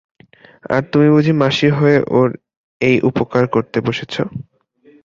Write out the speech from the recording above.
আর তুমি বুঝি মাসি হয়ে ওর এই উপকার করতে বসেছ।